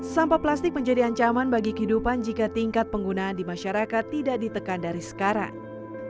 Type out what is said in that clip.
sampah plastik menjadi ancaman bagi kehidupan jika tingkat penggunaan di masyarakat tidak ditekan dari sekarang